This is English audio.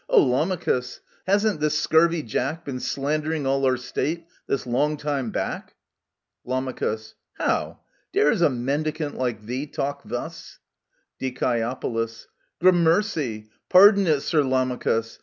O Lamachus, hasn't this scurvy jack Been slandering all our State this long time back ? Lam. How ? Dares a mendicant like thee talk thus ? Die. Grammercy ! Pardon it, Sir Lamachus